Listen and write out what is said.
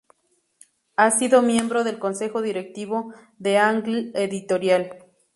Ha sido miembro del consejo directivo de Angle Editorial.